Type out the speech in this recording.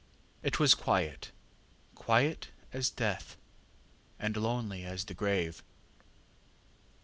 ŌĆ£It was quiet quiet as death, and lonely as the grave.